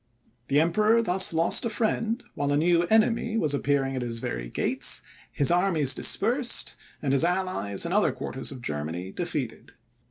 The Emperor thus lost a friend, while a new enemy was appearing at his very gates, his armies dispersed, and his allies in other quarters of Germany defeated.